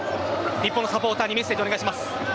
日本のサポーターにメッセージをお願いします。